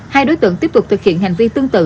hai đối tượng tiếp tục thực hiện hành vi tương tự